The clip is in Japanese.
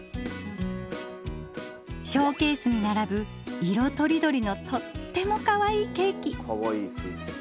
ショーケースに並ぶ色とりどりのとってもかわいいケーキ。